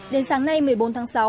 đến sáng nay một mươi bốn tháng sáu